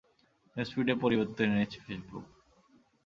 নিউজফিডে পরিবর্তন এনেছে ফেসবুক।